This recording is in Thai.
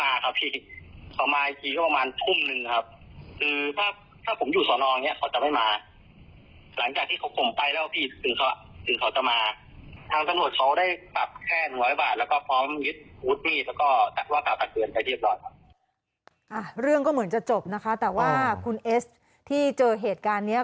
เรื่องก็เหมือนจะจบนะคะแต่ว่าคุณเอสที่เจอเหตุการณ์เนี้ย